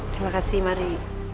terima kasih mari